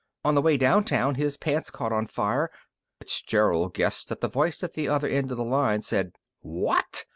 On the way downtown his pants caught on fire " Fitzgerald guessed that the voice at the other end of the line said "_What?